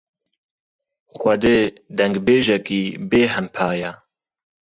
Xwedê dengbêjekî bêhempa ye.